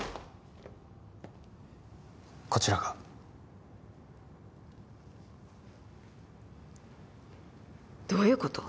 こちらがどういうこと！？